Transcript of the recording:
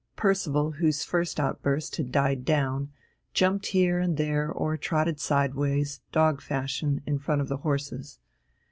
Percival, whose first outburst had died down, jumped here and there or trotted sideways, dog fashion, in front of the horses.